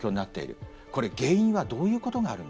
これ原因はどういうことがあるんでしょうか？